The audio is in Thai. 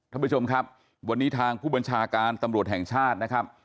ท่านผู้ชมครับวันนี้ทางผู้บัญชาการตำรวจแห่งชาตินะครับ